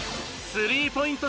スリーポイント